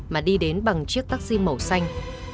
mà đi đến bằng chiếc taxi màu xanh